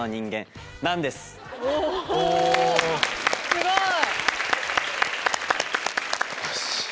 すごい！